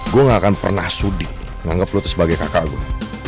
gue gak akan pernah sudik menganggap lo itu sebagai kakak gue